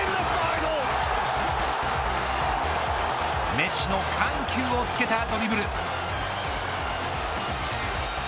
メッシの緩急をつけたドリブル。